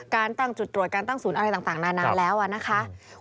การตั้งจุดตรวจการตั้งศูนย์อะไรต่างนานแล้วนะคะ